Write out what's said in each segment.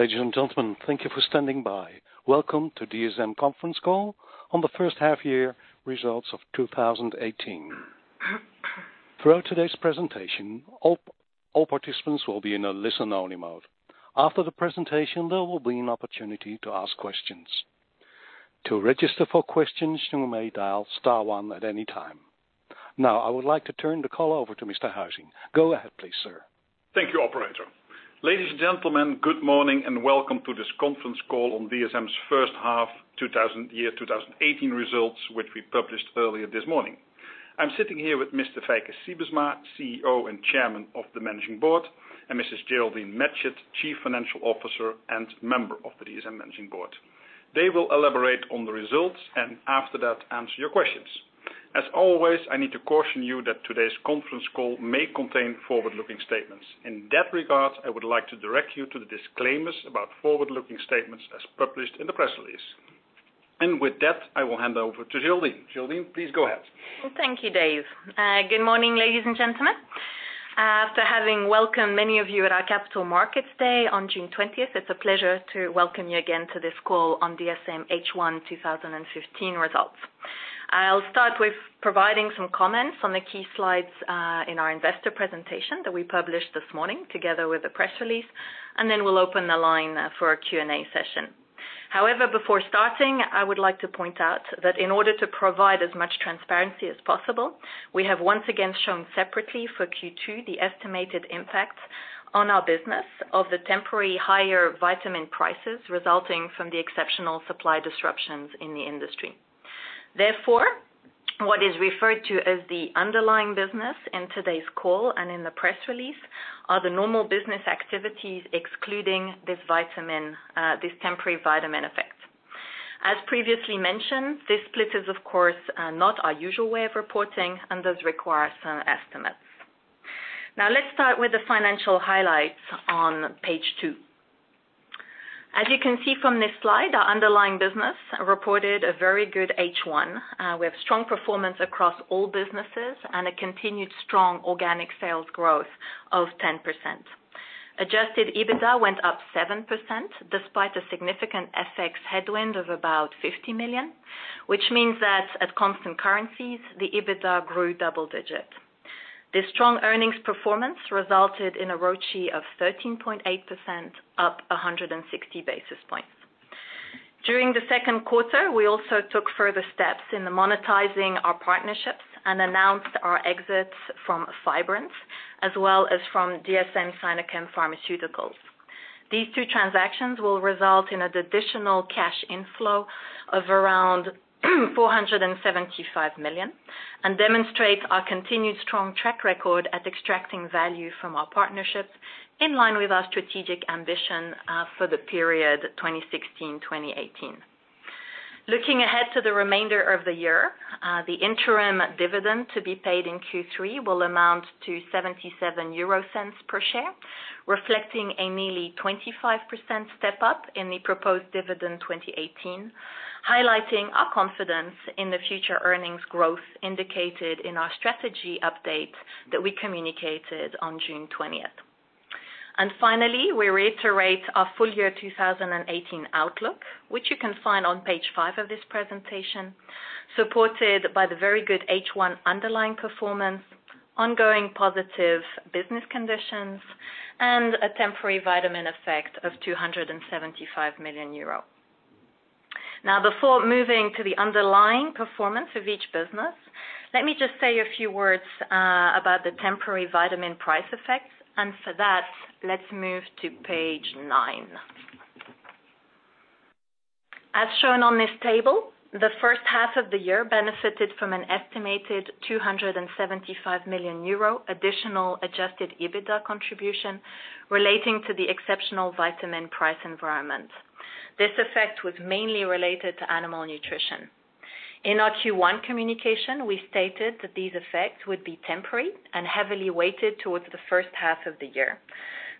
Ladies and gentlemen, thank you for standing by. Welcome to DSM conference call on the first half year results of 2018. Throughout today's presentation, all participants will be in a listen-only mode. After the presentation, there will be an opportunity to ask questions. To register for questions, you may dial star one at any time. I would like to turn the call over to Mr. Huizing. Go ahead, please, sir. Thank you, operator. Ladies and gentlemen, good morning and welcome to this conference call on DSM's first half year 2018 results, which we published earlier this morning. I'm sitting here with Mr. Feike Sijbesma, CEO and Chairman of the Managing Board, and Mrs. Geraldine Matchett, Chief Financial Officer and member of the DSM Managing Board. They will elaborate on the results, and after that, answer your questions. As always, I need to caution you that today's conference call may contain forward-looking statements. In that regard, I would like to direct you to the disclaimers about forward-looking statements as published in the press release. With that, I will hand over to Geraldine. Geraldine, please go ahead. Thank you, Dave. Good morning, ladies and gentlemen. After having welcomed many of you at our Capital Markets Day on June 20th, it's a pleasure to welcome you again to this call on DSM H1 2018 results. I'll start with providing some comments on the key slides in our investor presentation that we published this morning together with the press release, and then we'll open the line for our Q&A session. However, before starting, I would like to point out that in order to provide as much transparency as possible, we have once again shown separately for Q2 the estimated impact on our business of the temporary higher vitamin prices resulting from the exceptional supply disruptions in the industry. Therefore, what is referred to as the underlying business in today's call and in the press release are the normal business activities excluding this temporary vitamin effect. As previously mentioned, this split is, of course, not our usual way of reporting and does require some estimates. Let's start with the financial highlights on page two. As you can see from this slide, our underlying business reported a very good H1 with strong performance across all businesses and a continued strong organic sales growth of 10%. Adjusted EBITDA went up 7%, despite a significant FX headwind of about 50 million, which means that at constant currencies, the EBITDA grew double digit. This strong earnings performance resulted in a ROCE of 13.8%, up 160 basis points. During the second quarter, we also took further steps in the monetizing our partnerships and announced our exits from Fibrant as well as from DSM-Sinochem Pharmaceuticals. These two transactions will result in an additional cash inflow of around 475 million and demonstrate our continued strong track record at extracting value from our partnerships in line with our strategic ambition for the period 2016-2018. Looking ahead to the remainder of the year, the interim dividend to be paid in Q3 will amount to 0.77 per share, reflecting a nearly 25% step-up in the proposed dividend 2018, highlighting our confidence in the future earnings growth indicated in our strategy update that we communicated on June 20th. Finally, we reiterate our full year 2018 outlook, which you can find on page five of this presentation, supported by the very good H1 underlying performance, ongoing positive business conditions, and a temporary vitamin effect of 275 million euro. Before moving to the underlying performance of each business, let me just say a few words about the temporary vitamin price effects. For that, let's move to page nine. As shown on this table, the first half of the year benefited from an estimated 275 million euro additional adjusted EBITDA contribution relating to the exceptional vitamin price environment. This effect was mainly related to animal nutrition. In our Q1 communication, we stated that these effects would be temporary and heavily weighted towards the first half of the year.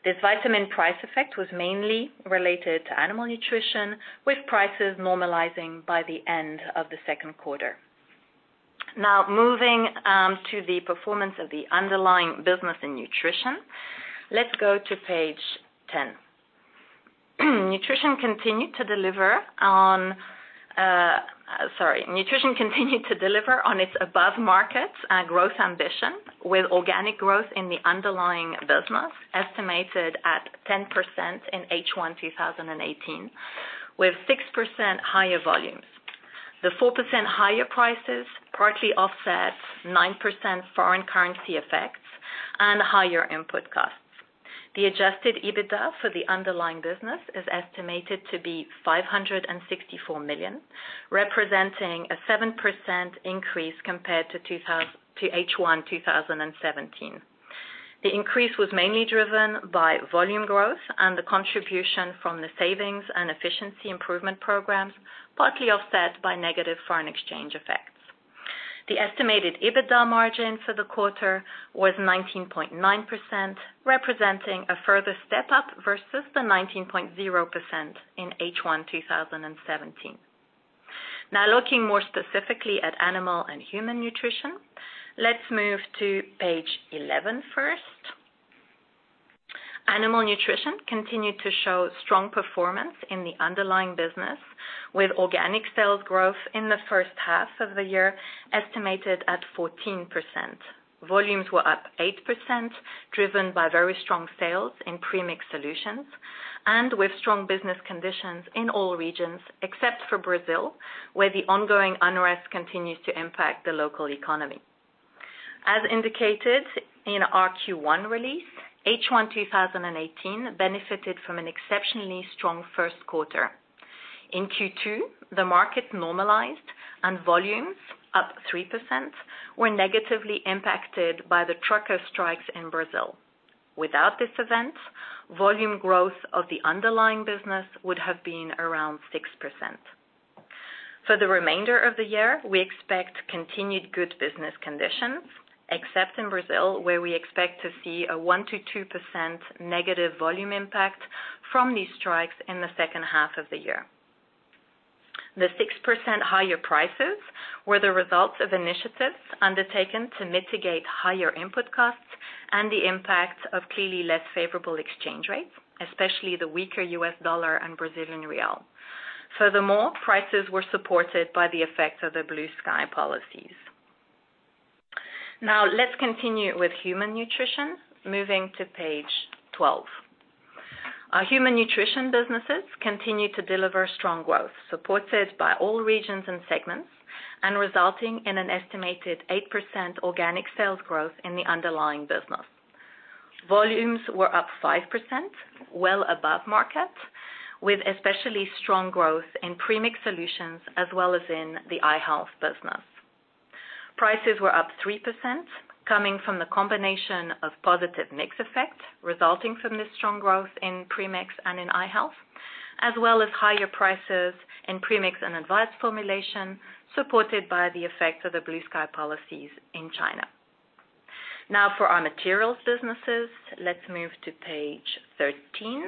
This vitamin price effect was mainly related to animal nutrition, with prices normalizing by the end of the second quarter. Moving to the performance of the underlying business in nutrition. Let's go to page 10. Nutrition continued to deliver on its above-market growth ambition with organic growth in the underlying business, estimated at 10% in H1 2018 with 6% higher volumes. The 4% higher prices partly offset 9% foreign currency effects and higher input costs. The adjusted EBITDA for the underlying business is estimated to be 564 million, representing a 7% increase compared to H1 2017. The increase was mainly driven by volume growth and the contribution from the savings and efficiency improvement programs, partly offset by negative foreign exchange effects. The estimated EBITDA margin for the quarter was 19.9%, representing a further step-up versus the 19.0% in H1 2017. Looking more specifically at animal and human nutrition, let's move to page 11 first. Animal nutrition continued to show strong performance in the underlying business, with organic sales growth in the first half of the year estimated at 14%. Volumes were up 8%, driven by very strong sales in premix solutions, and with strong business conditions in all regions except for Brazil, where the ongoing unrest continues to impact the local economy. As indicated in our Q1 release, H1 2018 benefited from an exceptionally strong first quarter. In Q2, the market normalized and volumes up 3% were negatively impacted by the trucker strikes in Brazil. Without this event, volume growth of the underlying business would have been around 6%. For the remainder of the year, we expect continued good business conditions, except in Brazil, where we expect to see a 1%-2% negative volume impact from these strikes in the second half of the year. The 6% higher prices were the results of initiatives undertaken to mitigate higher input costs and the impact of clearly less favorable exchange rates, especially the weaker US dollar and Brazilian real. prices were supported by the effect of the Blue Sky policies. Let's continue with human nutrition. Moving to page 12. Our human nutrition businesses continue to deliver strong growth, supported by all regions and segments, and resulting in an estimated 8% organic sales growth in the underlying business. Volumes were up 5%, well above market, with especially strong growth in premix solutions as well as in the i-Health business. Prices were up 3%, coming from the combination of positive mix effect resulting from this strong growth in premix and in i-Health, as well as higher prices in premix and advanced formulation, supported by the effect of the Blue Sky policies in China. For our materials businesses, let's move to page 13.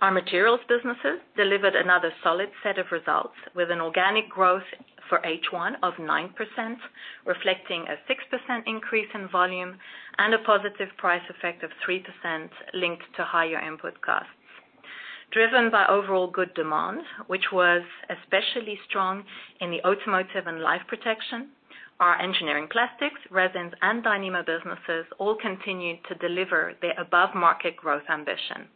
Our materials businesses delivered another solid set of results with an organic growth for H1 of 9%, reflecting a 6% increase in volume and a positive price effect of 3% linked to higher input costs. Driven by overall good demand, which was especially strong in the automotive and life protection, our engineering plastics, resins, and Dyneema businesses all continued to deliver their above-market growth ambition.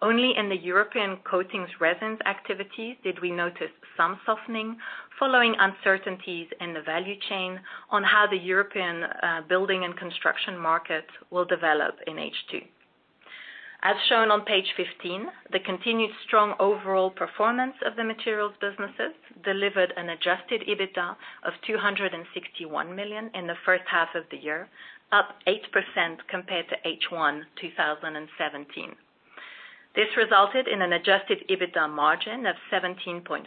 Only in the European coatings resins activities did we notice some softening following uncertainties in the value chain on how the European building and construction markets will develop in H2. As shown on page 15, the continued strong overall performance of the materials businesses delivered an adjusted EBITDA of 261 million in the first half of the year, up 8% compared to H1 2017. This resulted in an adjusted EBITDA margin of 17.5%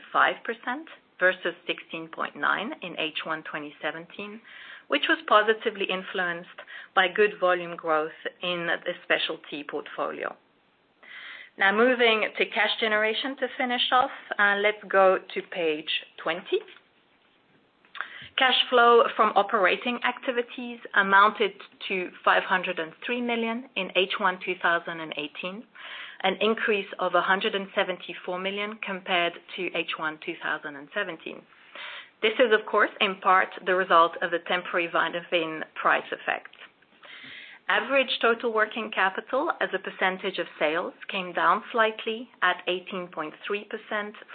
versus 16.9% in H1 2017, which was positively influenced by good volume growth in the specialty portfolio. Moving to cash generation to finish off. Let's go to page 20. Cash flow from operating activities amounted to 503 million in H1 2018, an increase of 174 million compared to H1 2017. This is of course, in part the result of the temporary vitamin price effect. Average total working capital as a percentage of sales came down slightly at 18.3%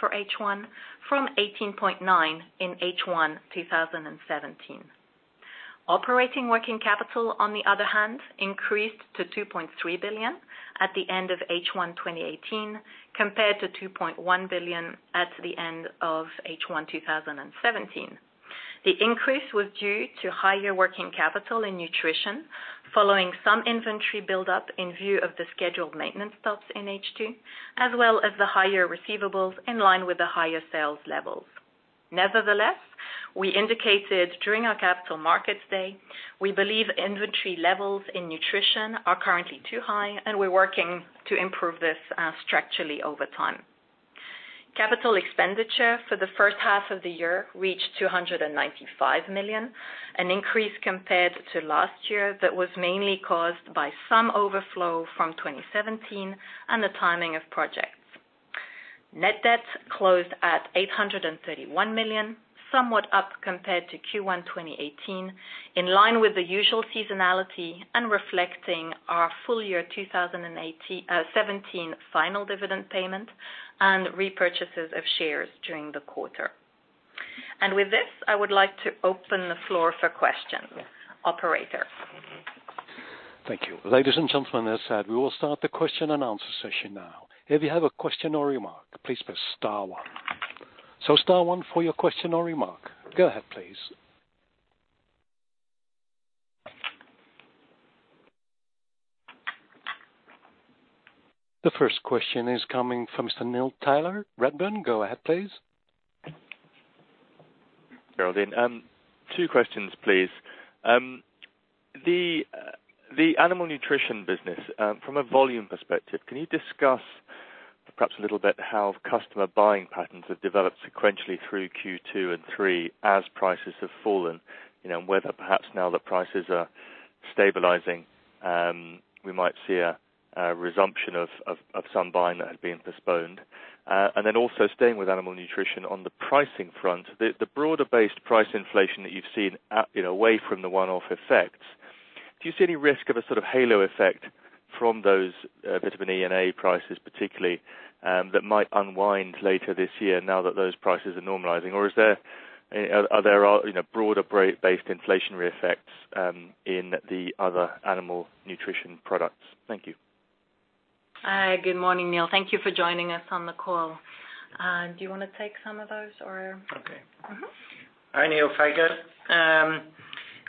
for H1 from 18.9% in H1 2017. Operating working capital, on the other hand, increased to 2.3 billion at the end of H1 2018 compared to 2.1 billion at the end of H1 2017. The increase was due to higher working capital in nutrition following some inventory buildup in view of the scheduled maintenance stops in H2, as well as the higher receivables in line with the higher sales levels. We indicated during our Capital Markets Day, we believe inventory levels in nutrition are currently too high, and we're working to improve this structurally over time. Capital expenditure for the first half of the year reached 295 million, an increase compared to last year that was mainly caused by some overflow from 2017 and the timing of projects. Net debt closed at 831 million, somewhat up compared to Q1 2018, in line with the usual seasonality and reflecting our full year 2017 final dividend payment and repurchases of shares during the quarter. With this, I would like to open the floor for questions. Operator. Thank you. Ladies and gentlemen, as said, we will start the question and answer session now. If you have a question or remark, please press star one. Star one for your question or remark. Go ahead, please. The first question is coming from Mr. Neil Tyler, Redburn. Go ahead, please. Geraldine, two questions please. The animal nutrition business from a volume perspective, can you discuss perhaps a little bit how customer buying patterns have developed sequentially through Q2 and Q3 as prices have fallen, and whether perhaps now that prices are stabilizing, we might see a resumption of some buying that had been postponed. Also staying with animal nutrition on the pricing front, the broader-based price inflation that you've seen away from the one-off effects, do you see any risk of a sort of halo effect from those vitamin E and A prices particularly, that might unwind later this year now that those prices are normalizing, or are there broader-based inflationary effects in the other animal nutrition products? Thank you. Good morning, Neil. Thank you for joining us on the call. Do you want to take some of those or Okay. Hi, Neil. Feike.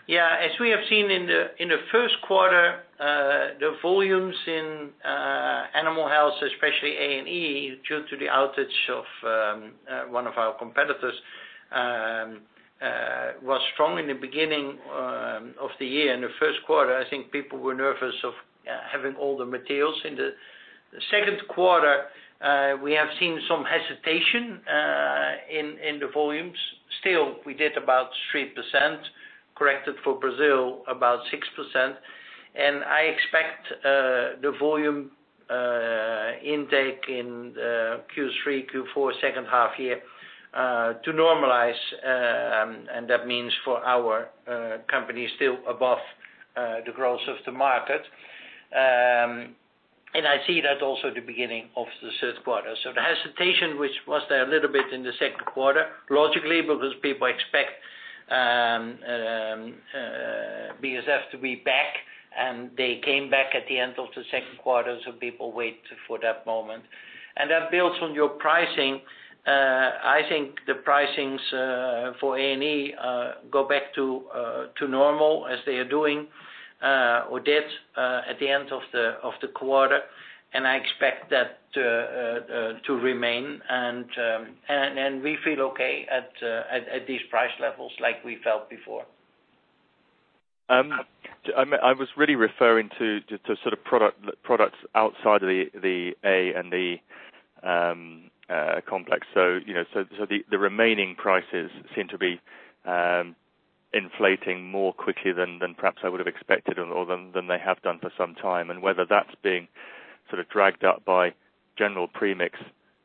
As we have seen in the first quarter, the volumes in animal health, especially A and E, due to the outage of one of our competitors, was strong in the beginning of the year. In the first quarter, I think people were nervous of having all the materials. In the second quarter, we have seen some hesitation in the volumes. Still, we did about 3%, corrected for Brazil, about 6%. I expect the volume intake in Q3, Q4, second half year, to normalize, and that means for our company still above the growth of the market. I see that also at the beginning of the third quarter. The hesitation, which was there a little bit in the second quarter, logically because people expect BASF to be back, and they came back at the end of the second quarter, people wait for that moment. That builds on your pricing. I think the pricings for A&E go back to normal as they are doing or did at the end of the quarter. I expect that to remain, and we feel okay at these price levels like we felt before. I was really referring to sort of products outside of the A&E complex. The remaining prices seem to be inflating more quickly than perhaps I would have expected or than they have done for some time, and whether that's being sort of dragged up by general premix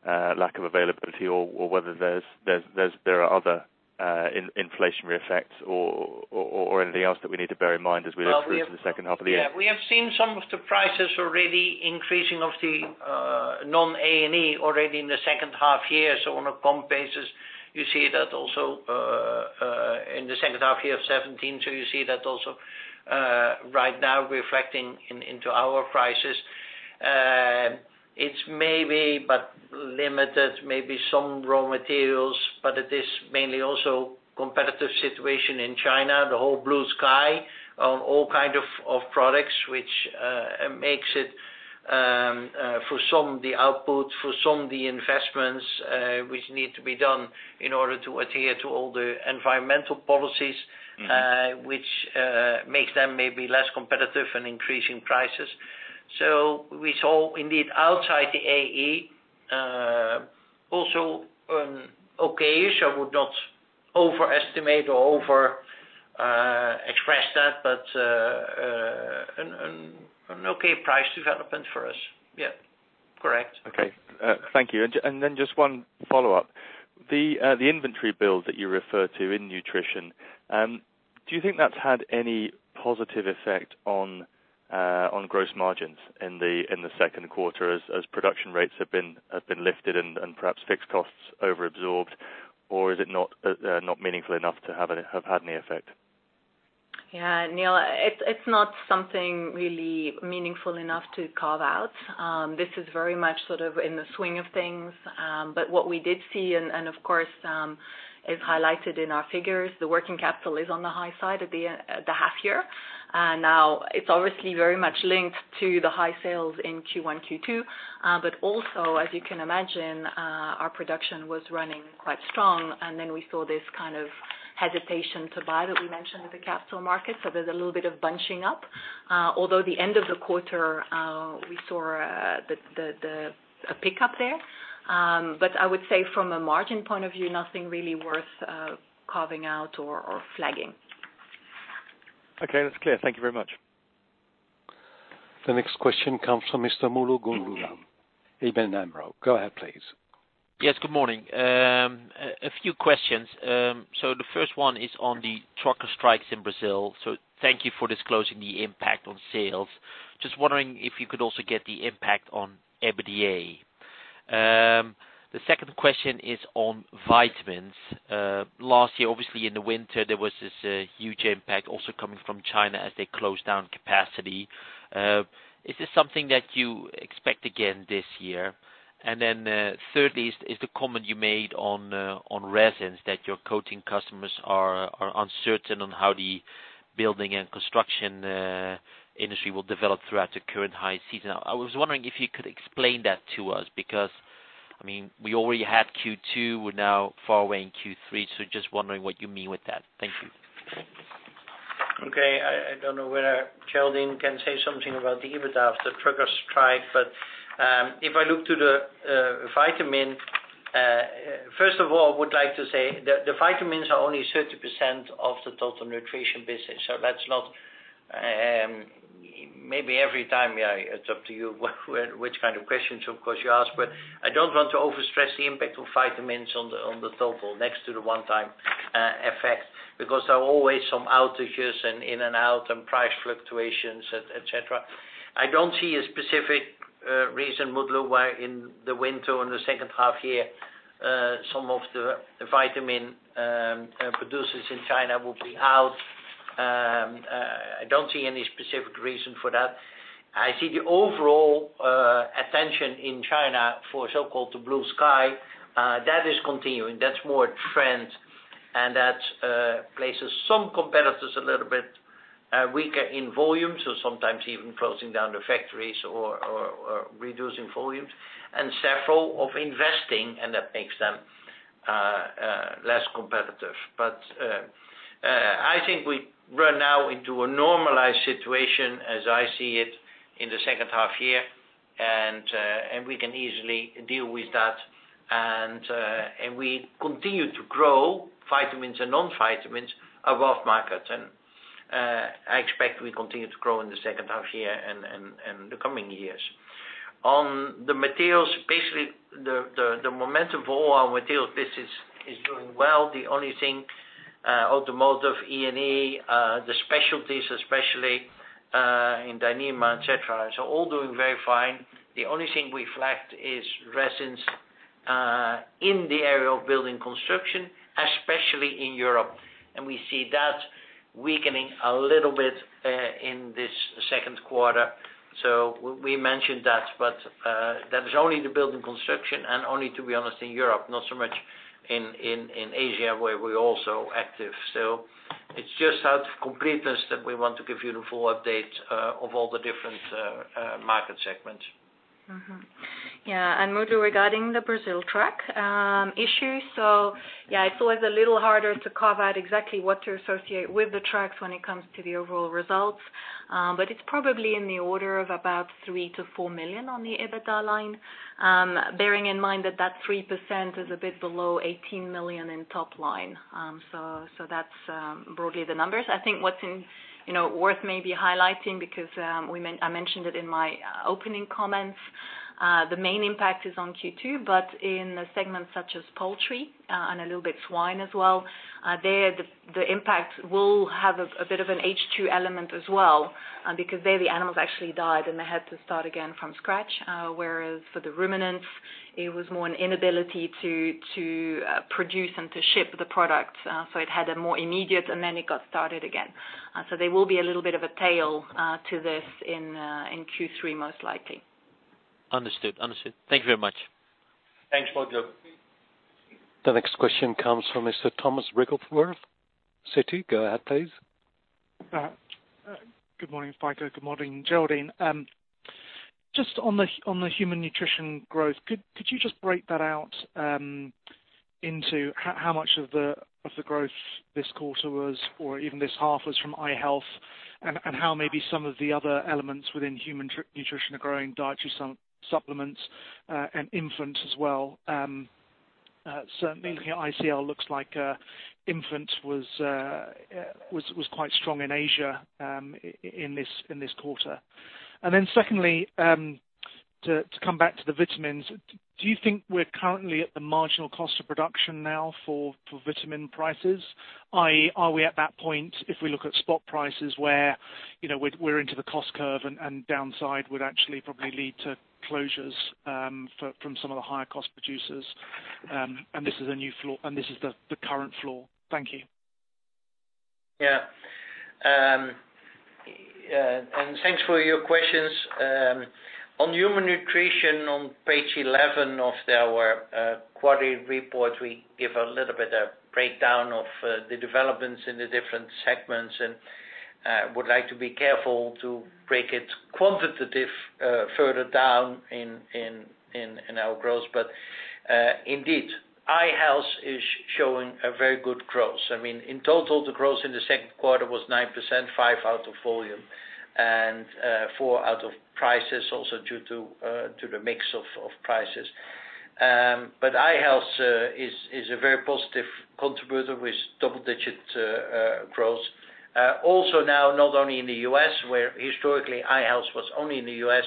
lack of availability or whether there are other inflationary effects or anything else that we need to bear in mind as we look through to the second half of the year. Yeah. We have seen some of the prices already increasing of the non-A&E already in the second half year. On a comp basis, you see that also, in the second half year of 2017. You see that also right now reflecting into our prices. It is maybe but limited, maybe some raw materials, but it is mainly also competitive situation in China, the whole Blue Sky on all kind of products, which makes it for some the output, for some the investments, which need to be done in order to adhere to all the environmental policies. which makes them maybe less competitive and increasing prices. We saw indeed outside the A&E, also an okay issue. I would not overestimate or over express that, but an okay price development for us. Yeah. Correct. Okay. Thank you. Just one follow-up. The inventory build that you referred to in nutrition, do you think that's had any positive effect on gross margins in the second quarter as production rates have been lifted and perhaps fixed costs over-absorbed, or is it not meaningful enough to have had any effect? Neil, it's not something really meaningful enough to carve out. This is very much sort of in the swing of things. What we did see and, of course, is highlighted in our figures, the working capital is on the high side at the half year. Now, it's obviously very much linked to the high sales in Q1, Q2. Also, as you can imagine, our production was running quite strong, then we saw this kind of hesitation to buy that we mentioned in the capital market, there's a little bit of bunching up. Although the end of the quarter, we saw a pickup there. I would say from a margin point of view, nothing really worth carving out or flagging. That's clear. Thank you very much. The next question comes from Mr. Mutlu Gungor, ABN AMRO. Go ahead, please. Yes, good morning. A few questions. The first one is on the trucker strikes in Brazil. Thank you for disclosing the impact on sales. Just wondering if you could also get the impact on EBITDA. The second question is on vitamins. Last year, obviously in the winter, there was this huge impact also coming from China as they closed down capacity. Is this something that you expect again this year? Thirdly is the comment you made on resins that your coating customers are uncertain on how the Building and construction industry will develop throughout the current high season. I was wondering if you could explain that to us, because we already had Q2, we are now far away in Q3, just wondering what you mean with that. Thank you. Okay. I don't know whether Geraldine can say something about the EBITDA of the trucker strike, but if I look to the vitamin, first of all, I would like to say that the vitamins are only 30% of the total nutrition business. Maybe every time, it is up to you which kind of questions, of course, you ask, but I don't want to overstress the impact of vitamins on the total next to the one-time effect because there are always some outages and in and out and price fluctuations, et cetera. I don't see a specific reason, Mutlu, why in the winter or in the second half here, some of the vitamin producers in China will be out. I don't see any specific reason for that. I see the overall attention in China for so-called the Blue Sky, that is continuing. That is more a trend and that places some competitors a little bit weaker in volume, sometimes even closing down the factories or reducing volumes and several of investing, and that makes them less competitive. I think we run now into a normalized situation as I see it in the second half year, and we can easily deal with that. We continue to grow vitamins and non-vitamins above market. I expect we continue to grow in the second half here and the coming years. On the materials, basically the momentum for all our materials business is doing well. The only thing automotive E&E, the specialties especially in Dyneema, et cetera, all doing very fine. The only thing we flat is resins in the area of building construction, especially in Europe. We see that weakening a little bit in this second quarter. We mentioned that, but that was only the building construction and only to be honest in Europe, not so much in Asia where we are also active. It is just out of completeness that we want to give you the full update of all the different market segments. Yeah, Mutlu, regarding the Brazil truck issue, yeah, it's always a little harder to carve out exactly what to associate with the trucks when it comes to the overall results. It's probably in the order of about 3 million to 4 million on the EBITDA line. Bearing in mind that that 3% is a bit below 18 million in top line. That's broadly the numbers. I think what's worth maybe highlighting because I mentioned it in my opening comments, the main impact is on Q2, but in segments such as poultry and a little bit swine as well, there the impact will have a bit of an H2 element as well because there the animals actually died and they had to start again from scratch. Whereas for the ruminants, it was more an inability to produce and to ship the product. It had a more immediate and it got started again. There will be a little bit of a tail to this in Q3 most likely. Understood. Thank you very much. Thanks, Mutlu. The next question comes from Mr. Thomas Wrigglesworth, Citi. Go ahead, please. Good morning, Feike. Good morning, Geraldine. Just on the human nutrition growth, could you just break that out into how much of the growth this quarter was or even this half was from i-Health and how maybe some of the other elements within human nutrition are growing dietary supplements and infants as well? Certainly ICL looks like infant was quite strong in Asia in this quarter. Secondly, to come back to the vitamins, do you think we're currently at the marginal cost of production now for vitamin prices, i.e., are we at that point if we look at spot prices where we're into the cost curve and downside would actually probably lead to closures from some of the higher cost producers? This is the current floor. Thank you. Thanks for your questions. On human nutrition, on page 11 of our quarterly report, we give a little bit of breakdown of the developments in the different segments and would like to be careful to break it quantitative further down in our growth. Indeed, i-Health is showing a very good growth. In total, the growth in the second quarter was 9%, 5 out of volume and 4 out of prices also due to the mix of prices. i-Health is a very positive contributor with double-digit growth. Also now not only in the U.S. where historically i-Health was only in the U.S.,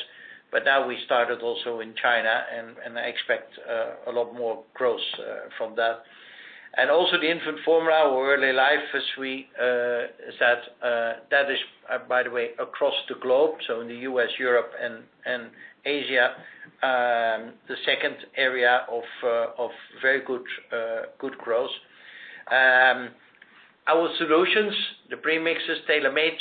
but now we started also in China and I expect a lot more growth from that. Also the infant formula or early life as we said, that is by the way across the globe, so in the U.S., Europe and Asia, the second area of very good growth. Our solutions, the premixes tailor-made,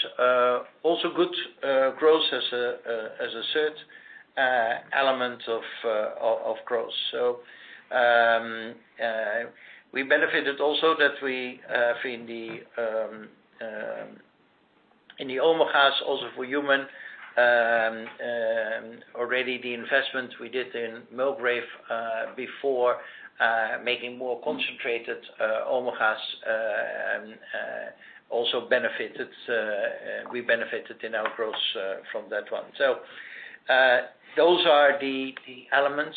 also good growth as a third element of growth. We benefited also that in the omega also for human, already the investment we did in Mulgrave before making more concentrated omega also benefited. We benefited in our growth from that one. Those are the elements.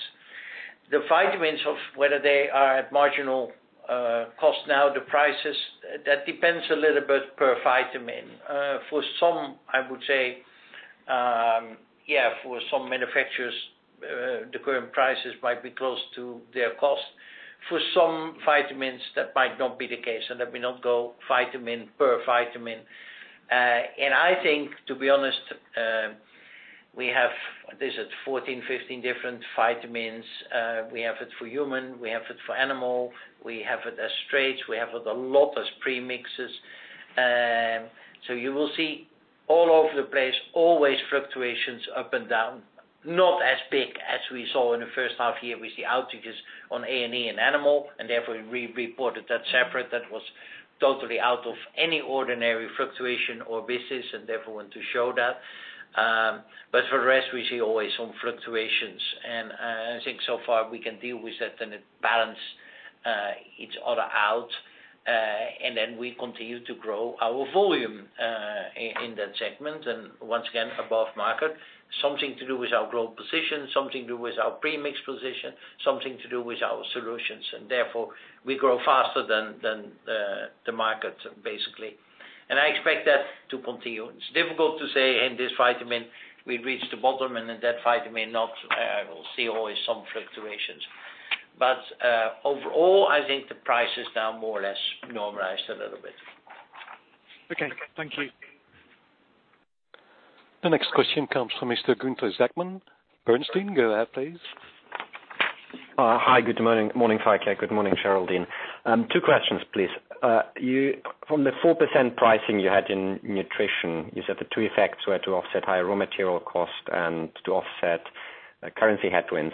The vitamins, whether they are at marginal cost now, the prices, that depends a little bit per vitamin. For some manufacturers, the current prices might be close to their cost. For some vitamins that might not be the case, and let me not go vitamin per vitamin. I think, to be honest, we have 14, 15 different vitamins. We have it for human, we have it for animal, we have it as straights, we have it a lot as premixes. You will see all over the place, always fluctuations up and down, not as big as we saw in the first half year with the outages on A&E in animal, and therefore we reported that separate. That was totally out of any ordinary fluctuation or business and therefore we want to show that. For the rest, we see always some fluctuations, and I think so far we can deal with that and it balance each other out. We continue to grow our volume in that segment, and once again, above market. Something to do with our growth position, something to do with our premix position, something to do with our solutions. Therefore, we grow faster than the market, basically. I expect that to continue. It's difficult to say in this vitamin we reach the bottom and in that vitamin not. I will see always some fluctuations. Overall, I think the price is now more or less normalized a little bit. Okay. Thank you. The next question comes from Mr. Gunther Zechmann, Bernstein. Go ahead, please. Hi, good morning, Feike. Good morning, Geraldine. Two questions, please. From the 4% pricing you had in nutrition, you said the two effects were to offset higher raw material cost and to offset currency headwinds.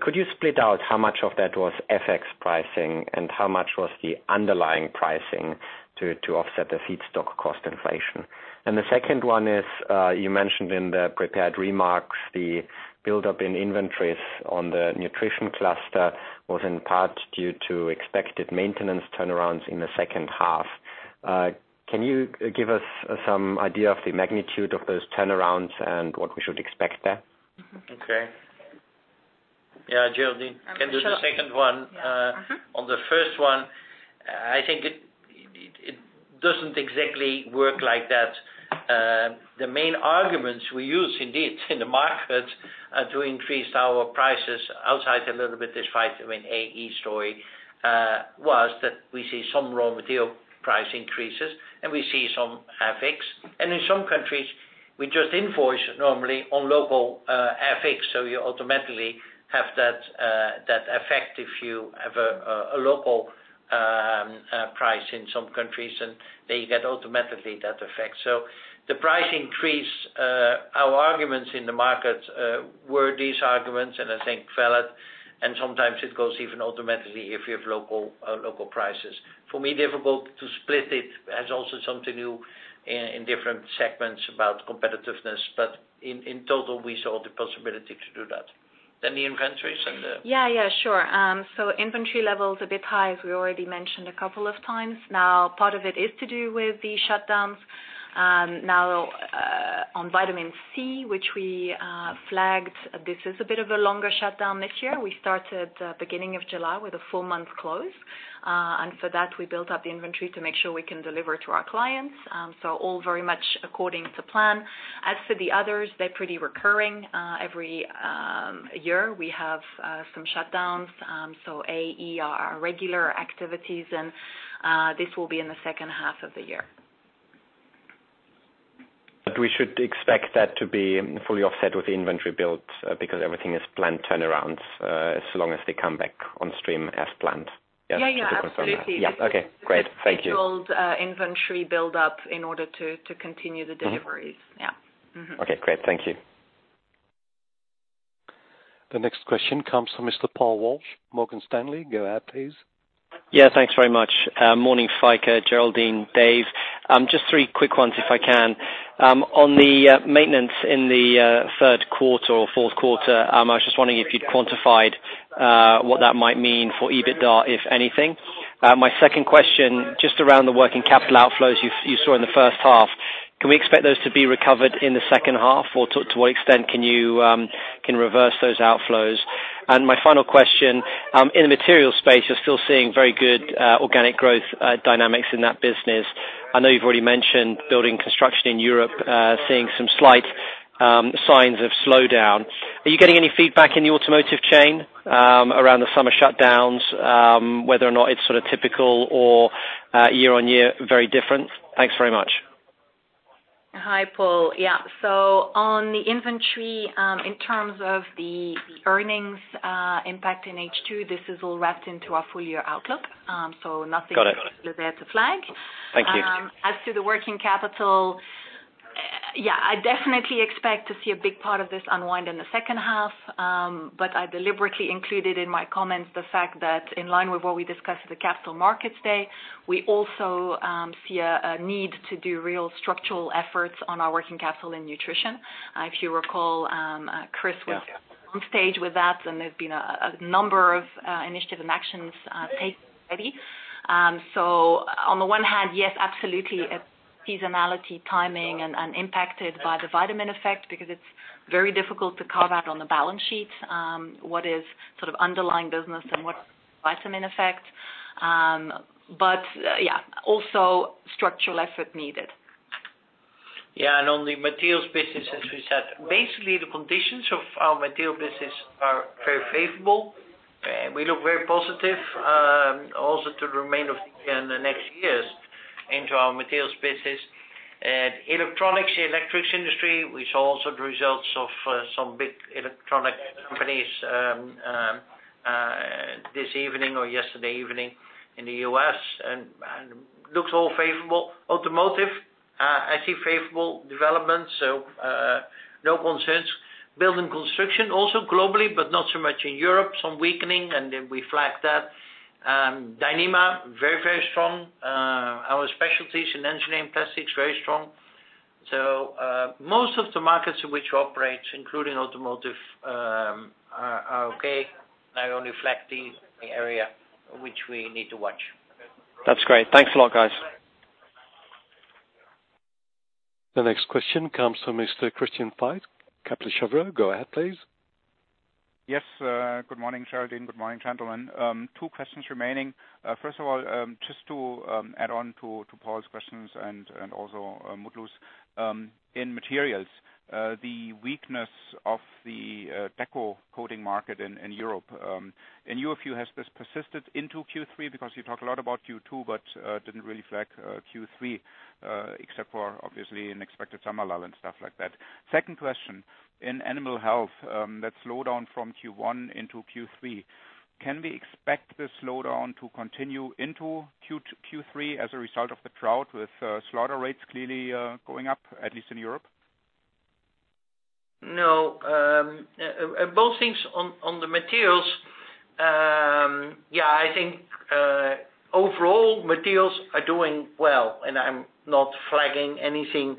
Could you split out how much of that was FX pricing and how much was the underlying pricing to offset the feedstock cost inflation? The second one is, you mentioned in the prepared remarks the buildup in inventories on the nutrition cluster was in part due to expected maintenance turnarounds in the second half. Can you give us some idea of the magnitude of those turnarounds and what we should expect there? Okay. Yeah, Geraldine can do the second one. Yeah. On the first one, I think it doesn't exactly work like that. The main arguments we use indeed in the market to increase our prices outside a little bit this vitamin A, E story, was that we see some raw material price increases and we see some FX. In some countries we just invoice normally on local FX, so you automatically have that effect if you have a local price in some countries, and there you get automatically that effect. The price increase, our arguments in the market were these arguments, and I think valid, and sometimes it goes even automatically if you have local prices. For me, difficult to split it, has also something to do in different segments about competitiveness. In total, we saw the possibility to do that. Yeah. Sure. Inventory level's a bit high, as we already mentioned a couple of times now. Part of it is to do with the shutdowns. On vitamin C, which we flagged, this is a bit of a longer shutdown this year. We started beginning of July with a full month close. For that, we built up the inventory to make sure we can deliver to our clients. All very much according to plan. As for the others, they're pretty recurring. Every year we have some shutdowns. A&E are regular activities and this will be in the second half of the year. We should expect that to be fully offset with the inventory build because everything is planned turnarounds, as long as they come back on stream as planned? Yeah. Absolutely. Just to confirm that. Yeah. Okay, great. Thank you. Scheduled inventory buildup in order to continue the deliveries. Yeah. Mm-hmm. Okay, great. Thank you. The next question comes from Mr. Paul Walsh, Morgan Stanley. Go ahead, please. Thanks very much. Morning, Feike, Geraldine, Dave. Just three quick ones if I can. On the maintenance in the third quarter or fourth quarter, I was just wondering if you'd quantified what that might mean for EBITDA, if anything. My second question, just around the working capital outflows you saw in the first half, can we expect those to be recovered in the second half, or to what extent can you reverse those outflows? My final question, in the material space, you're still seeing very good organic growth dynamics in that business. I know you've already mentioned building construction in Europe seeing some slight signs of slowdown. Are you getting any feedback in the automotive chain around the summer shutdowns, whether or not it's sort of typical or year-over-year very different? Thanks very much. Hi, Paul. On the inventory, in terms of the earnings impact in H2, this is all wrapped into our full year outlook. Nothing- Got it there to flag. Thank you. As to the working capital, I definitely expect to see a big part of this unwind in the second half. I deliberately included in my comments the fact that in line with what we discussed at the Capital Markets Day, we also see a need to do real structural efforts on our working capital in nutrition. If you recall, Chris was on stage with that, and there's been a number of initiatives and actions taken already. On the one hand, yes, absolutely, seasonality, timing, and impacted by the vitamin effect because it's very difficult to carve out on the balance sheet what is underlying business and what vitamin effect. Also structural effort needed. On the materials business, as we said, basically the conditions of our material business are very favorable. We look very positive, also to the remainder of the year and the next years into our materials business. Electronics, the electrics industry, we saw also the results of some big electronic companies this evening or yesterday evening in the U.S., and looks all favorable. Automotive, I see favorable developments, so no concerns. Building construction also globally, but not so much in Europe. Some weakening, we flagged that. Dyneema, very strong. Our specialties in engineering plastics, very strong. Most of the markets in which we operate, including automotive, are okay. I only flagged the area which we need to watch. That's great. Thanks a lot, guys. The next question comes from Mr. Christian Fite, Kepler Cheuvreux. Go ahead, please. Yes. Good morning, Geraldine. Good morning, gentlemen. Two questions remaining. First of all, just to add on to Paul's questions and also Mutlu's. In materials, the weakness of the deco coating market in Europe. In your view, has this persisted into Q3? You talk a lot about Q2, but didn't really flag Q3, except for obviously unexpected summer lull and stuff like that. Second question, in animal health, that slowdown from Q1 into Q3, can we expect the slowdown to continue into Q3 as a result of the drought with slaughter rates clearly going up, at least in Europe? No. Both things on the materials. Yeah, I think, overall, materials are doing well, and I'm not flagging anything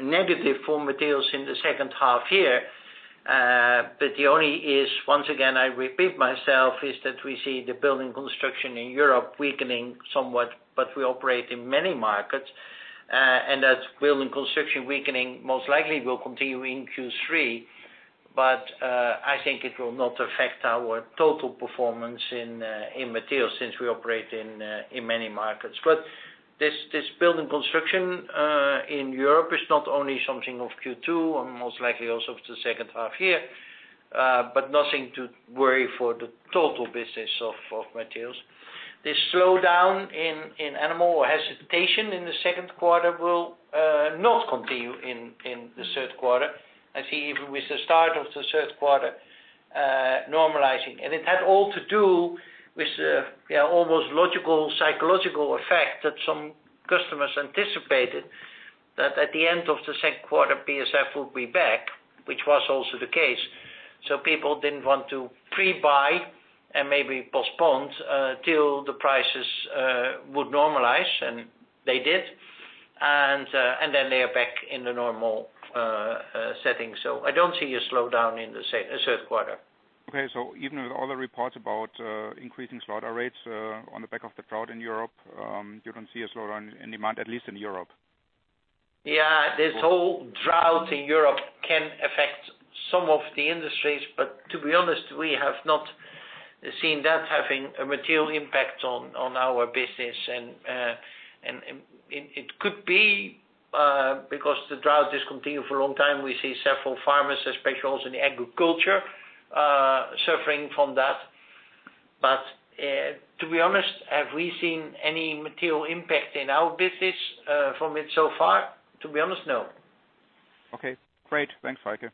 negative for materials in the second half here. The only is, once again, I repeat myself, is that we see the building construction in Europe weakening somewhat. We operate in many markets, and that building construction weakening most likely will continue in Q3. I think it will not affect our total performance in materials since we operate in many markets. This building construction in Europe is not only something of Q2 and most likely also of the second half here, but nothing to worry for the total business of materials. This slowdown in animal or hesitation in the second quarter will not continue in the third quarter. I see even with the start of the third quarter normalizing. It had all to do with almost logical psychological effect that some customers anticipated that at the end of the second quarter, BASF would be back, which was also the case. People didn't want to pre-buy and maybe postponed till the prices would normalize, and they did. They are back in the normal setting. I don't see a slowdown in the third quarter. Okay. Even with all the reports about increasing slaughter rates on the back of the drought in Europe, you don't see a slowdown in demand, at least in Europe? Yeah. This whole drought in Europe can affect some of the industries, but to be honest, we have not seen that having a material impact on our business. It could be because the drought does continue for a long time. We see several farmers, especially also in agriculture, suffering from that. To be honest, have we seen any material impact in our business from it so far? To be honest, no. Okay, great. Thanks, Feike.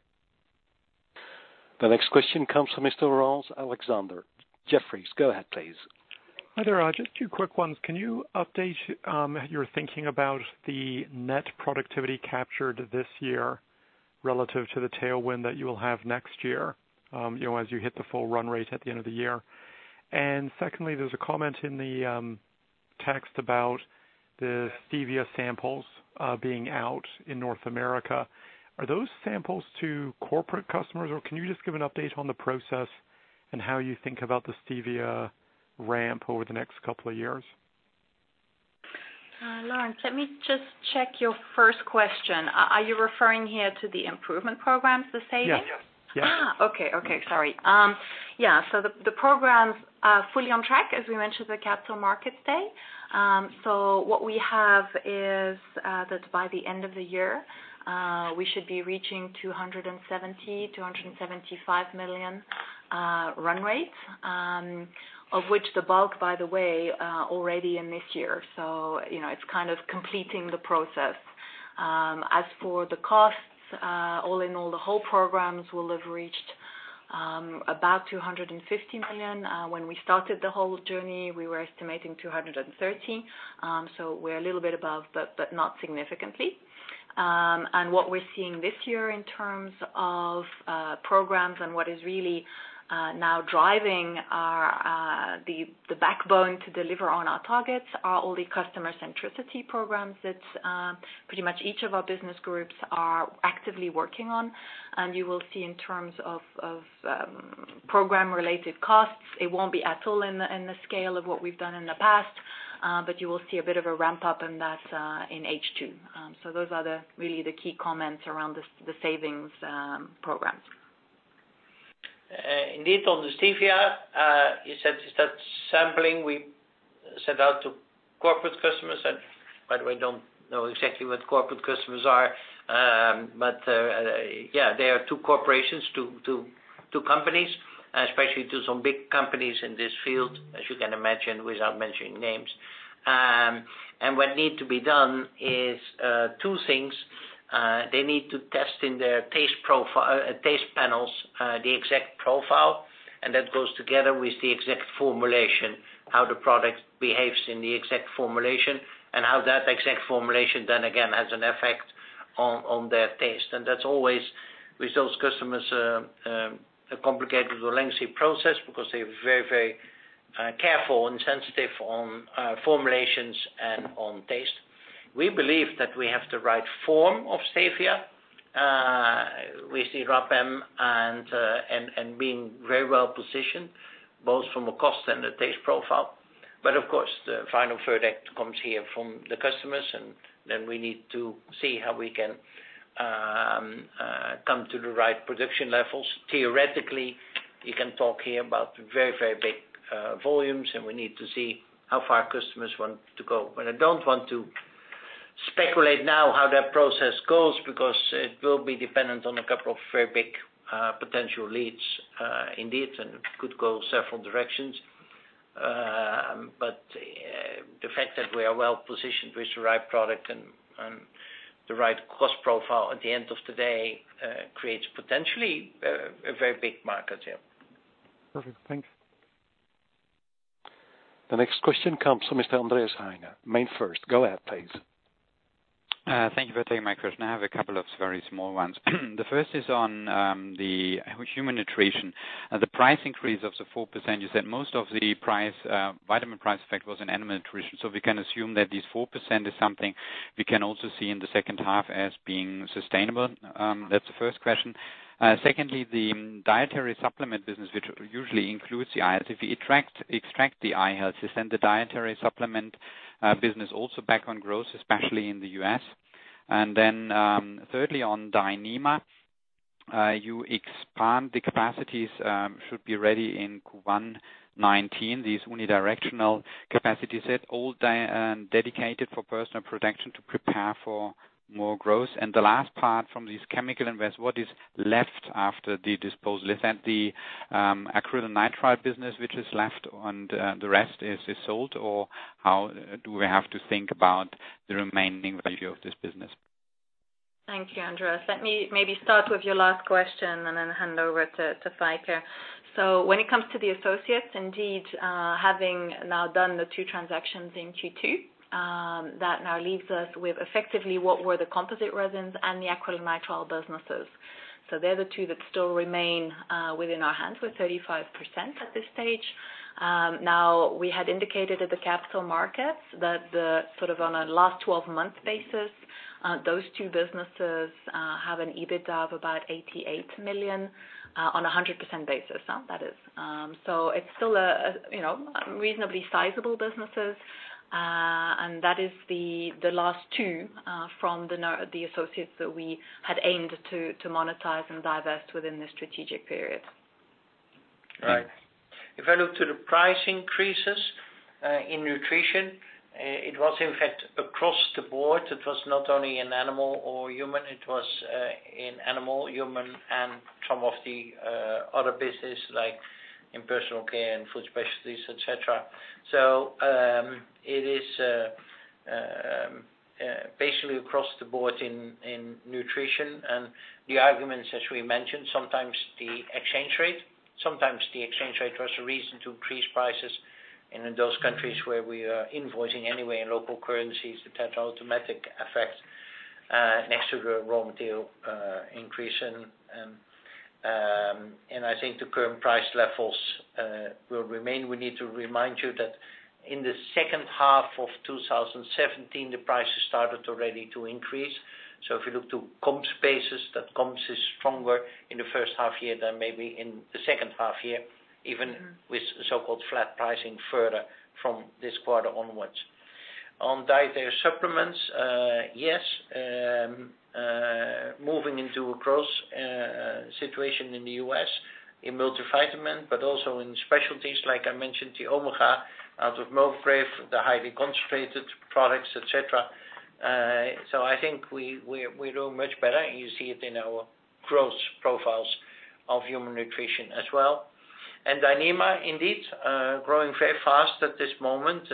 The next question comes from Mr. Laurence Alexander, Jefferies. Go ahead, please. Hi there. Just two quick ones. Can you update your thinking about the net productivity captured this year relative to the tailwind that you will have next year as you hit the full run rate at the end of the year? Secondly, there's a comment in the text about the stevia samples being out in North America. Are those samples to corporate customers, or can you just give an update on the process and how you think about the stevia ramp over the next couple of years? Laurence, let me just check your first question. Are you referring here to the improvement programs, the savings? Yes. Okay. Sorry. Yeah. The programs are fully on track, as we mentioned the Capital Markets Day. What we have is that by the end of the year, we should be reaching 270 million, 275 million run rate, of which the bulk, by the way, already in this year. It's kind of completing the process. As for the cost The whole programs will have reached about 250 million. When we started the whole journey, we were estimating 230 million. We're a little bit above, but not significantly. What we're seeing this year in terms of programs and what is really now driving the backbone to deliver on our targets are all the customer centricity programs that pretty much each of our business groups are actively working on. You will see in terms of program related costs, it won't be at all in the scale of what we've done in the past, but you will see a bit of a ramp-up in that in H2. Those are really the key comments around the savings programs. Indeed, on the stevia, you said that sampling we sent out to corporate customers, and by the way, don't know exactly what corporate customers are. Yeah, they are two corporations, two companies, especially to some big companies in this field, as you can imagine, without mentioning names. What needs to be done is two things. They need to test in their taste panels, the exact profile, and that goes together with the exact formulation, how the product behaves in the exact formulation, and how that exact formulation then again, has an effect on their taste. That's always with those customers, a complicated or lengthy process because they're very careful and sensitive on formulations and on taste. We believe that we have the right form of stevia with Reb M and being very well positioned both from a cost and a taste profile. Of course, the final verdict comes here from the customers, and then we need to see how we can come to the right production levels. Theoretically, you can talk here about very big volumes, and we need to see how far customers want to go. I don't want to speculate now how that process goes because it will be dependent on a couple of very big potential leads indeed, and could go several directions. The fact that we are well-positioned with the right product and the right cost profile at the end of the day, creates potentially a very big market here. Perfect. Thank you. The next question comes from Mr. Andreas Heine, MainFirst. Go ahead, please. Thank you for taking my question. I have a couple of very small ones. The first is on the human nutrition. The price increase of the 4%, you said most of the vitamin price effect was in animal nutrition. We can assume that this 4% is something we can also see in the second half as being sustainable. That's the first question. Secondly, the dietary supplement business, which usually includes the i-Health. If you extract the i-Health, is then the dietary supplement business also back on growth, especially in the U.S.? Thirdly, on Dyneema, you expand the capacities should be ready in Q1 2019. These unidirectional capacity set all dedicated for personal protection to prepare for more growth. The last part from this ChemicaInvest, what is left after the disposal? Is that the acrylonitrile business which is left and the rest is sold, or how do we have to think about the remaining value of this business? Thank you, Andreas. Let me maybe start with your last question and then hand over to Feike. When it comes to the associates, indeed, having now done the two transactions in Q2, that now leaves us with effectively what were the composite resins and the acrylonitrile businesses. They're the two that still remain within our hands with 35% at this stage. We had indicated at the Capital Markets Day that sort of on a last 12 months basis, those two businesses have an EBIT of about 88 million on 100% basis. It's still reasonably sizable businesses. That is the last two from the associates that we had aimed to monetize and divest within the strategic period. Right. If I look to the price increases in nutrition, it was in fact across the board. It was not only in animal or human. It was in animal, human, and some of the other business like in personal care and food specialties, et cetera. It is basically across the board in nutrition. The arguments, as we mentioned, sometimes the exchange rate was a reason to increase prices in those countries where we are invoicing anyway in local currencies that had automatic effect next to the raw material increase. I think the current price levels will remain. We need to remind you that in the second half of 2017, the prices started already to increase. If you look to comps basis, that comps is stronger in the first half year than maybe in the second half year, even with so-called flat pricing further from this quarter onwards. On dietary supplements, yes, moving into a growth situation in the U.S. in multivitamin, but also in specialties like I mentioned, the Omega out of Mulgrave, the highly concentrated products, et cetera. I think we do much better, and you see it in our growth profiles of human nutrition as well. Dyneema indeed, growing very fast at this moment.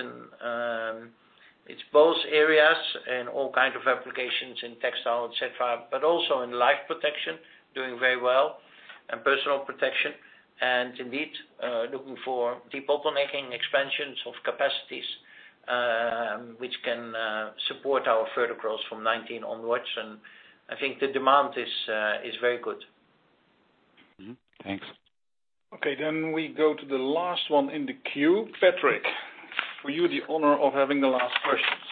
It's both areas and all kinds of applications in textile, et cetera, but also in life protection, doing very well, and personal protection, and indeed, looking for debottlenecking expansions of capacities which can support our further growth from 2019 onwards. I think the demand is very good. Thanks. We go to the last one in the queue. Patrick, for you, the honor of having the last questions.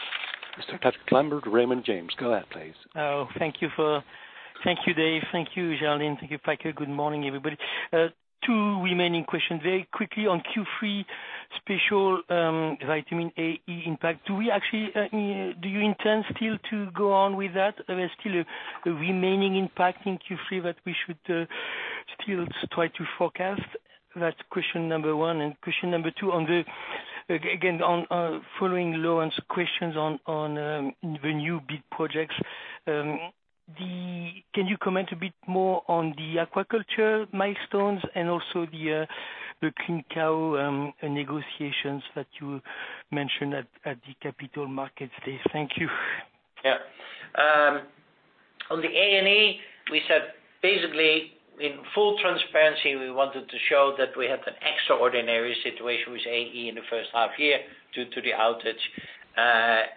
Mr. Patrick Lambert, Raymond James. Go ahead, please. Thank you, Dave. Thank you, Geraldine. Thank you, Feike. Good morning, everybody. Two remaining questions. Very quickly on Q3 special vitamin A, E impact, do you intend still to go on with that? There is still a remaining impact in Q3 that we should still try to forecast? That's question 1. Question 2, again, following Laurence's questions on the new big projects. Can you comment a bit more on the aquaculture milestones and also the Clean Cow negotiations that you mentioned at the Capital Markets Day? Thank you. Yeah. On the A&E, we said basically in full transparency, we wanted to show that we had an extraordinary situation with A&E in the first half year due to the outage,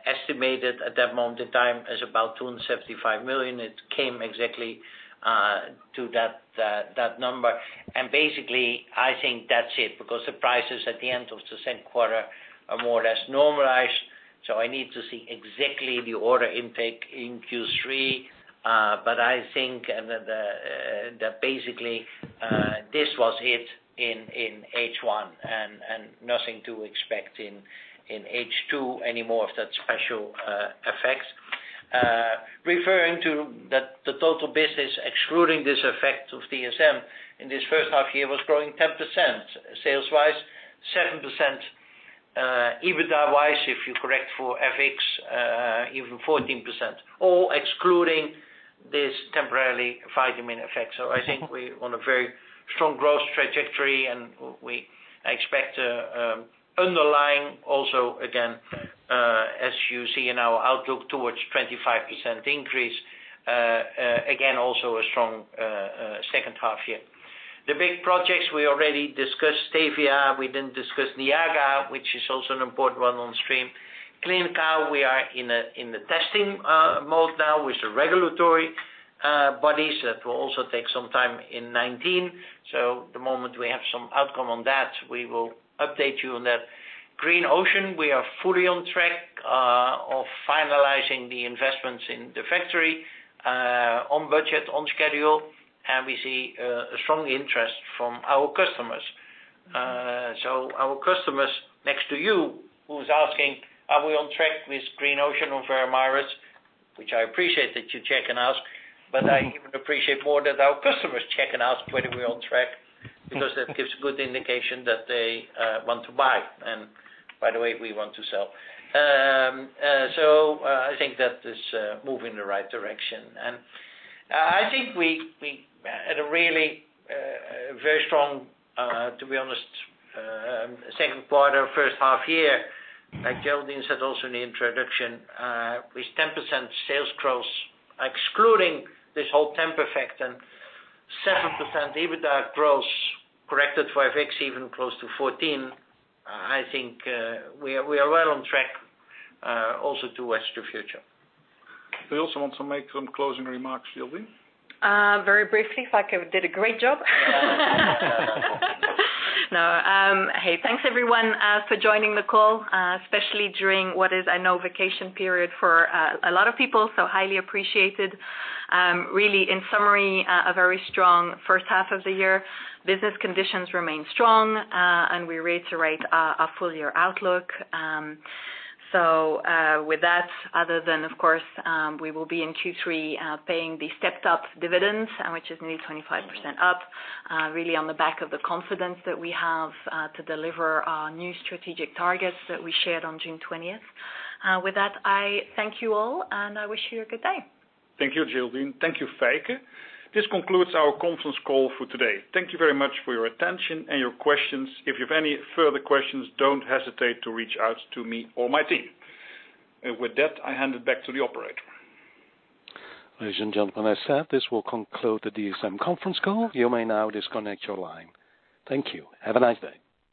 estimated at that moment in time as about 275 million. It came exactly to that number. Basically, I think that's it, because the prices at the end of the second quarter are more or less normalized. I need to see exactly the order intake in Q3. I think that basically, this was it in H1, and nothing to expect in H2 anymore of that special effect. Referring to the total business, excluding this effect of DSM in this first half year was growing 10% sales wise, 7% EBITDA wise, if you correct for FX, even 14%, all excluding this temporarily vitamin effect. I think we're on a very strong growth trajectory, and we expect underlying also, again, as you see in our outlook towards 25% increase, again, also a strong second half year. The big projects we already discussed, stevia, we didn't discuss Niaga, which is also an important one on stream. Clean Cow, we are in the testing mode now with the regulatory bodies. That will also take some time in 2019. The moment we have some outcome on that, we will update you on that. Green Ocean, we are fully on track of finalizing the investments in the factory, on budget, on schedule, and we see a strong interest from our customers. Our customers, next to you, who's asking, are we on track with Green Ocean or Veramaris, which I appreciate that you're checking us, but I even appreciate more that our customers checking us whether we're on track, because that gives good indication that they want to buy. By the way, we want to sell. I think that is moving in the right direction. I think we had a really very strong, to be honest, second quarter, first half year, like Geraldine said also in the introduction, with 10% sales growth, excluding this whole temp effect and 7% EBITDA growth, corrected for FX, even close to 14%. I think we are well on track also towards the future. Do you also want to make some closing remarks, Geraldine? Very briefly, Feike did a great job. No. Hey, thanks everyone for joining the call, especially during what is, I know, vacation period for a lot of people, so highly appreciated. Really, in summary, a very strong first half of the year. Business conditions remain strong, and we're ready to write a full year outlook. With that, other than of course we will be in Q3 paying the stepped-up dividends, which is nearly 25% up, really on the back of the confidence that we have to deliver our new strategic targets that we shared on June 20th. With that, I thank you all, and I wish you a good day. Thank you, Geraldine. Thank you, Feike. This concludes our conference call for today. Thank you very much for your attention and your questions. If you have any further questions, don't hesitate to reach out to me or my team. With that, I hand it back to the operator. Ladies and gentlemen, as said, this will conclude the DSM conference call. You may now disconnect your line. Thank you. Have a nice day.